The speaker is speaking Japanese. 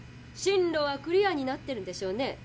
進路はクリアーになってるんでしょうね